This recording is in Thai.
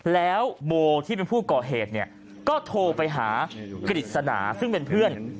แล้วโบที่เป็นผู้ก่อเหตุเนี่ยก็โทรไปหากฤษณาซึ่งเป็นเพื่อน